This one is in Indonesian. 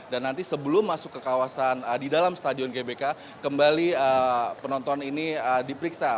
dan nanti sebelum masuk ke kawasan di dalam stadion gbk kembali penonton ini diperiksa